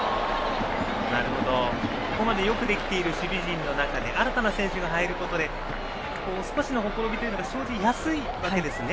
ここまでよくできている守備陣の中で新たな選手が入ることで少しのほころびが生じやすいわけですね。